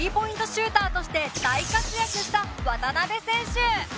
シューターとして大活躍した渡邊選手。